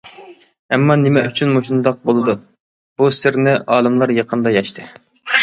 ئەمما، نېمە ئۈچۈن مۇشۇنداق بولىدۇ؟ بۇ سىرنى ئالىملار يېقىندا يەشتى.